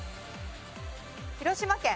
広島県。